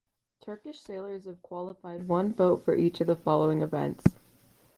Turkish sailors have qualified one boat for each of the following events.